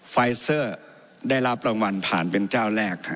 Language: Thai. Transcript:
ไฟเซอร์ได้รับรางวัลผ่านเป็นเจ้าแรก